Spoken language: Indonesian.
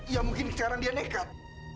ya mungkin sekarang dia nekat